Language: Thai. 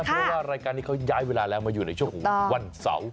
เพราะว่ารายการนี้เขาย้ายเวลาแล้วมาอยู่ในช่วงของวันเสาร์